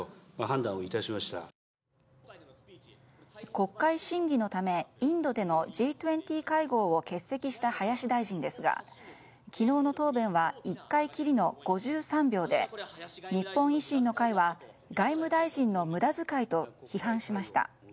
国会審議のためインドでのＧ２０会合を欠席した林大臣ですが昨日の答弁は１回きりの５３秒で日本維新の会は外務大臣の無駄遣いと批判しました。